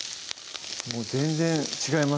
もう全然違いますね